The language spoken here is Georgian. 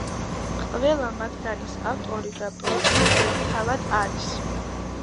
ყველა მათგანის ავტორი და პროდიუსერი თავად არის.